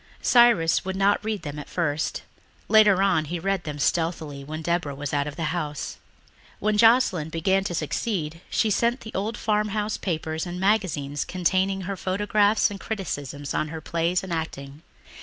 Cyrus would not read them at first; later on he read them stealthily when Deborah was out of the house. When Joscelyn began to succeed she sent to the old farmhouse papers and magazines containing her photographs and criticisms of her plays and acting.